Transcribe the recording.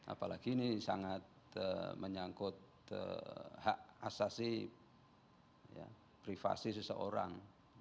apalagi ini sangat menyangkut hak asasi privasi seseorang